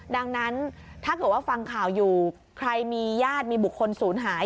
ดังนั้นถ้าเกิดว่าฟังข่าวอยู่ใครมีญาติมีบุคคลศูนย์หาย